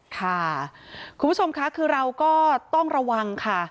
ค่ะคุณผู้ชมค่ะคือเราก็ต้องระวังค่ะ